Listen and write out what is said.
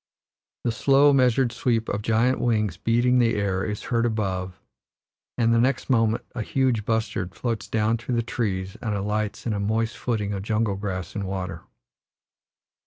The slow, measured sweep of giant wings beating the air is heard above, and the next moment a huge bustard floats down through the trees and alights in a moist footing of jungle grass and water.